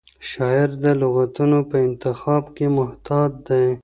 شاعر د لغتونو په انتخاب کې محتاط دی.